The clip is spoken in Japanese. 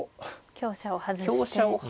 香車を外して。